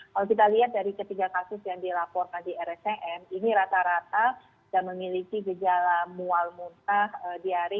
kalau kita lihat dari ketiga kasus yang dilaporkan di rscm ini rata rata sudah memiliki gejala mual muntah diari